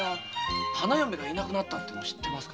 花嫁がいなくなったのも知ってますか？